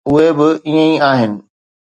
اهي به ائين ئي آهن.